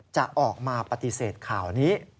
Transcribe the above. จะออกมาปฏิเสธข่าวนี้